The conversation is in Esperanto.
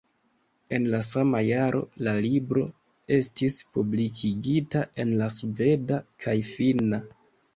En la sama jaro la libro estis publikigita en la sveda kaj finna.